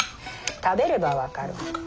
食べれば分かる。